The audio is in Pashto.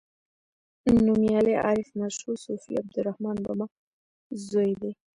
نومیالی عارف مشهور صوفي عبدالرحمان بابا زوی دی.